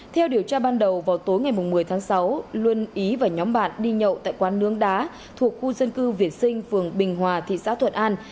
theo điều tra ban đầu vào tối ngày một mươi tháng sáu luân ý và nhóm bạn đi nhậu tại quán nướng đá thuộc khu dân cư việt sinh phường bình hòa thị xã thuận an